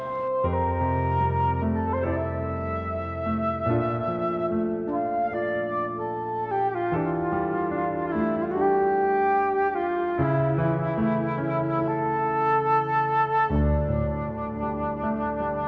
lalu aku akan mencoba untuk melahirkan diriku